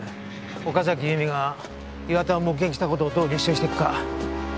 岡崎由美が岩田を目撃した事をどう立証していくか。